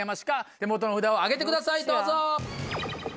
手元の札を上げてくださいどうぞ！